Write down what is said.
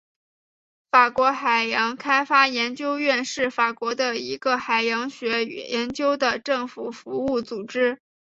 法国海洋开发研究院是法国的一个海洋学研究的政府服务组织。